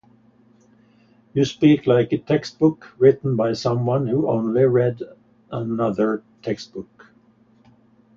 You speak like a textbook written by someone who only read another textbook